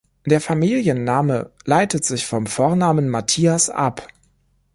Der Familienname leitet sich vom Vornamen Matthias ab.